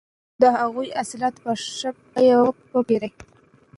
د هغوی حاصلات په ښه بیه وپېرئ.